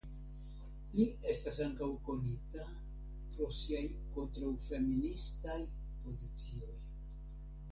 Li estas ankaŭ konita pro siaj kontraŭfeministaj pozicioj.